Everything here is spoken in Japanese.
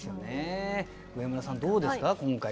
上村さん、どうですか？